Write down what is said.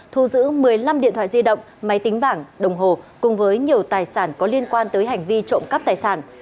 thu giữ một mươi năm điện thoại di động máy tính bảng đồng hồ cùng với nhiều tài sản có liên quan tới hành vi trộm cắp tài sản